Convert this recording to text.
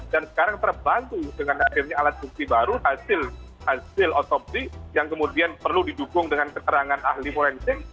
dan sekarang terbantu dengan akhirnya alat bukti baru hasil otopsi yang kemudian perlu didukung dengan keterangan ahli forensik